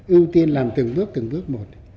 ưu tiên làm từng bước từng bước một